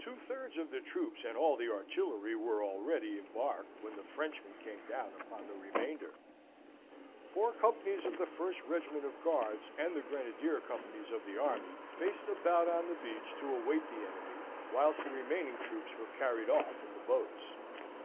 Two thirds of the troops, and all the artillery, were already embarked, when the Frenchmen came down upon the remainder. Four companies of the first regiment of guards and the grenadier companies of the army, faced about on the beach to await the enemy, whilst the remaining troops were carried off in the boats.